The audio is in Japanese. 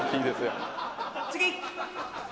次！